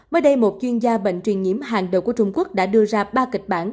mới đây một chuyên gia bệnh truyền nhiễm hàng đầu của trung quốc đã đưa ra ba kịch bản